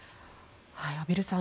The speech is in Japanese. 畔蒜さん